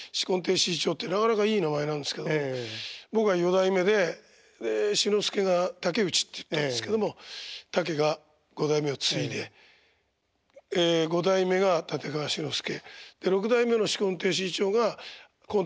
志い朝ってなかなかいい名前なんですけど僕は四代目で志の輔が竹内っていったんですけどもタケが五代目を継いでええ五代目が立川志の輔で六代目の紫紺亭志い朝がコント